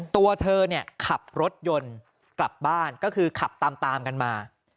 ตัวเธอเนี่ยขับรถยนต์กลับบ้านก็คือขับตามกันมา